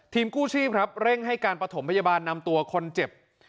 กู้ชีพครับเร่งให้การประถมพยาบาลนำตัวคนเจ็บ